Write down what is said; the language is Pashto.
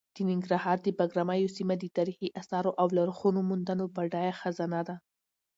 د ننګرهار د بګراميو سیمه د تاریخي اثارو او لرغونو موندنو بډایه خزانه ده.